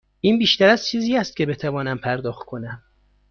این بیشتر از چیزی است که بتوانم پرداخت کنم.